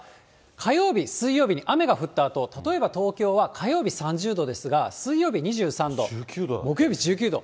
火曜日、水曜日に雨が降ったあと、例えば東京は火曜日３０度ですが、水曜日２３度、木曜日１９度。